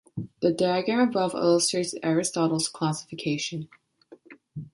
The diagram above illustrates Aristotle's classification.